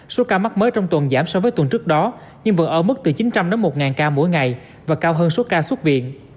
số ca mắc mới trong tuần giảm so với tuần trước đó nhưng vẫn ở mức từ chín trăm linh đến một ca mỗi ngày và cao hơn số ca xuất viện